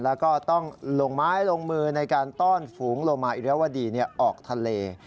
แล้วก็ต้องลงไม้ลงมือในการต้อนฝูงโลมาอิรวดีออกทะเล